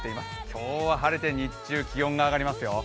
今日は晴れて日中、気温が上がりますよ。